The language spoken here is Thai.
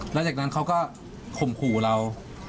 แล้วจากนั้นเขาก็ข่มขู่เรา